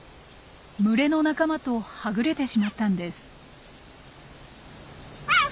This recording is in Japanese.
群れの仲間とはぐれてしまったんです。